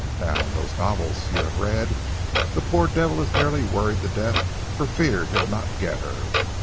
Now, in those novels you have read, the poor devil is nearly worried to death for fear he'll not get her.